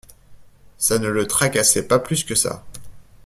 Ça ne le tracassait pas plus que ça.